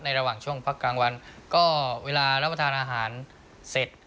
ระหว่างช่วงพักกลางวันก็เวลารับประทานอาหารเสร็จ